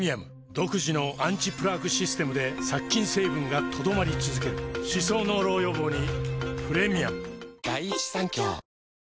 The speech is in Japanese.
独自のアンチプラークシステムで殺菌成分が留まり続ける歯槽膿漏予防にプレミアム